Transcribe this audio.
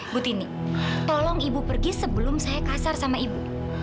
bu tini tolong ibu pergi sebelum saya kasar sama ibu